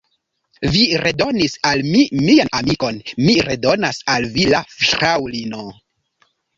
Vi redonis al mi mian amikon, mi redonas al vi la fraŭlinon.